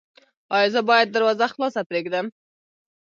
ایا زه باید دروازه خلاصه پریږدم؟